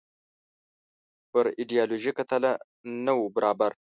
پر ایډیالوژیکه تله نه وو برابر.